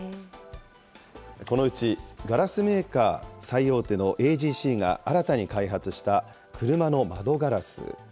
このうちガラスメーカー最大手のＡＧＣが新たに開発した車の窓ガラス。